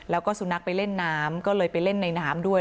แล้วก็สุนัขไปเล่นน้ำก็เลยไปเล่นในน้ำด้วย